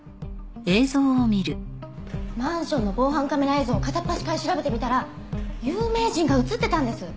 マンションの防犯カメラ映像を片っ端から調べてみたら有名人が映ってたんです！